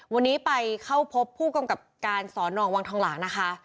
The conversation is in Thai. วันนี้ไปเข้าพบผู้กำกับการสอนอวังทองหลางนะคะ